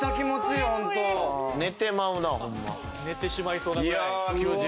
寝てしまいそうなぐらい。